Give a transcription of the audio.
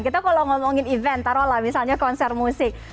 kita kalau ngomongin event taruh lah misalnya konser musik